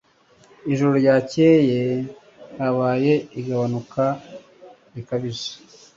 Ijoro ryakeye habaye igabanuka ritunguranye.